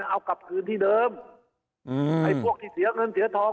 เอากลับคืนที่เดิมอืมไอ้พวกที่เสียเงินเสียทอง